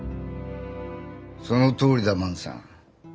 そのとおりだ万さん。